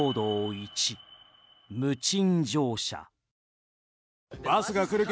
１、無賃乗車。